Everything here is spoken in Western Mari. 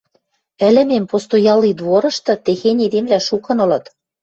Ӹлӹмем постоялый дворышты техень эдемвлӓ шукын ылыт.